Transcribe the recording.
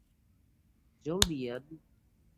জলদি, ইয়ান!